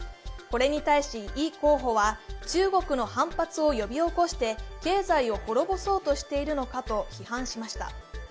これに対し、イ候補は中国の反発を呼び起こして経済を滅ぼそうとしているのかと批判しました。